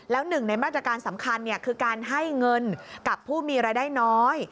แล้วหนึ่งในมาตรการสำคัญคือการให้เงินกับผู้มีรายได้น้อย